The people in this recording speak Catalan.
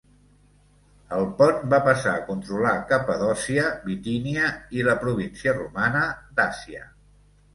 El Pont va passar a controlar Capadòcia, Bitínia i la província romana d'Àsia.